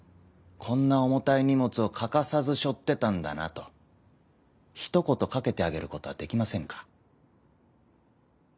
こんな重たい荷物を欠かさず背負ってたんだなとひと言掛けてあげることはできませんか？